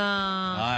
はい。